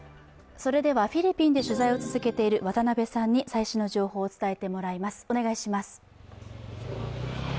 それでは、フィリピンで取材を続けている渡部さんに最新情報を伝えてもらいます。